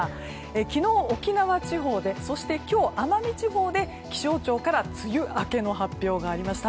昨日、沖縄地方でそして今日、奄美地方で気象庁から梅雨明けの発表がありました。